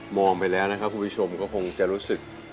ไปแล้วนะครับคุณผู้ชมก็คงจะรู้สึก